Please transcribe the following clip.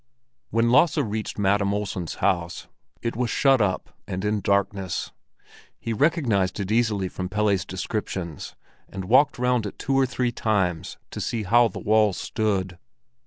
When Lasse reached Madam Olsen's house, it was shut up and in darkness. He recognized it easily from Pelle's descriptions, and walked round it two or three times to see how the walls stood.